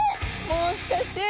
もしかして。